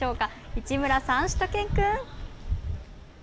市村さん、しゅと犬くん。